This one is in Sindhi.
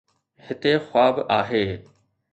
هتي خواب آهي.